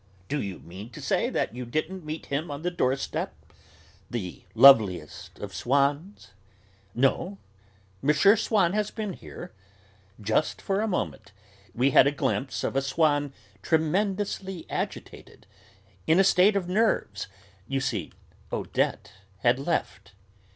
"D'you mean to say you didn't meet him on the doorstep the loveliest of Swanns?" "No. M. Swann has been here?" "Just for a moment. We had a glimpse of a Swann tremendously agitated. In a state of nerves. You see, Odette had left."